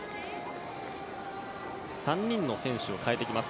３人の選手を代えてきます。